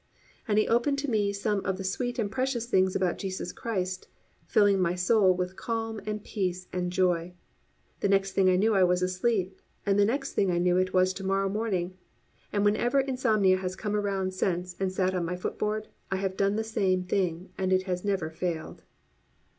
And He opened to me some of the sweet and precious things about Jesus Christ, filling my soul with calm and peace and joy, and the next thing I knew I was asleep and the next thing I knew it was to morrow morning; and whenever Insomnia has come around since and sat on my footboard, I have done the same thing and it has never failed.